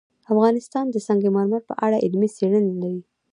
افغانستان د سنگ مرمر په اړه علمي څېړنې لري.